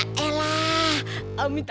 aku nggak mau kayak gini